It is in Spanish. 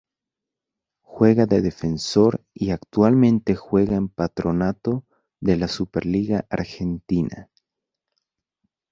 Juega de defensor y actualmente juega en Patronato de la Superliga Argentina.